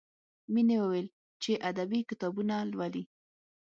مینې وویل چې ادبي کتابونه لولي